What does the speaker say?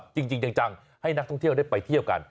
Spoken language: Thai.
จริงจังให้นักท่องเที่ยวได้ไปเที่ยวกัน